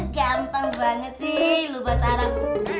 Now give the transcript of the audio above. gampang banget sih lu bahasa arab